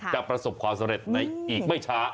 ประสบความสำเร็จในอีกไม่ช้า